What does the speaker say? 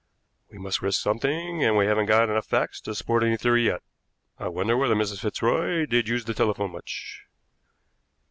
"We must risk something, and we haven't got enough facts to support any theory yet. I wonder whether Mrs. Fitzroy did use the telephone much?"